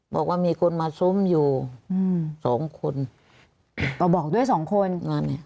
บอกว่ามีคนมาซุ้มอยู่อืมสองคนก็บอกด้วยสองคนนั้นเนี่ย